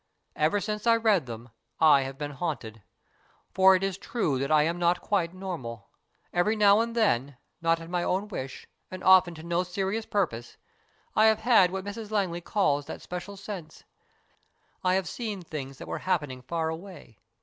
Ever since I read them I have been haunted. For it is true that I am not quite normal. Every now and then, not at my own wish, and often to no serious purpose, I have had what Mrs Langley calls that special sense. I have seen things that were happening far away.